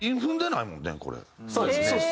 そうですね。